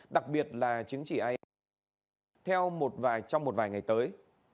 đặc biệt là chứng chỉ theo một vài trong một vài ngày tới